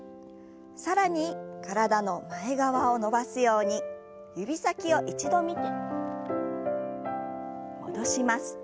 更に体の前側を伸ばすように指先を一度見て戻します。